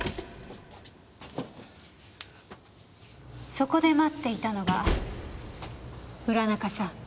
そこで待っていたのが浦中さん